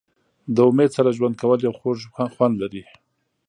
د امید سره ژوند کول یو خوږ خوند لري.